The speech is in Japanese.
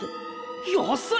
安い！